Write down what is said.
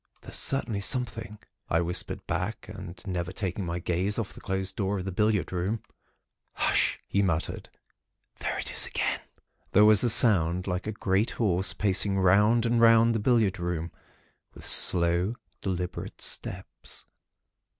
"'There's certainly something,' I whispered back, and never taking my gaze off the closed door of the billiard room. "'H'sh!' he muttered, 'There it is again.' "There was a sound like a great horse pacing round and round the billiard room, with slow, deliberate steps.